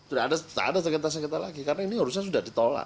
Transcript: udah sudah ada sengketa sengketa lagi karena ini urusan sudah ditolak